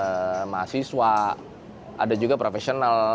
ada mahasiswa ada juga profesional